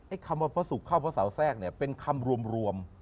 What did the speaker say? คำว่าพระศุกร์เข้าพระเสาแทรกเนี่ยเป็นคำรวม